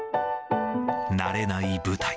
慣れない舞台。